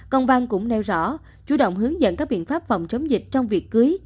công văn cũng nêu rõ chủ động hướng dẫn các biện pháp phòng chống dịch trong việc cưới